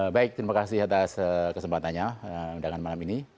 baik terima kasih atas kesempatannya undangan malam ini